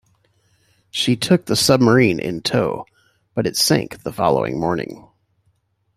She took the submarine in tow, but it sank the following morning.